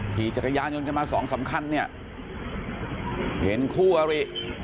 ขี่จักรยานยนต์กันมาสองสามคันเนี่ยเห็นคู่อริ